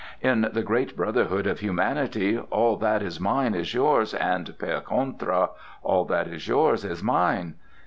In the great brotherhood of humanity, all that is mine is yours; and per contra, all that is yours is mine."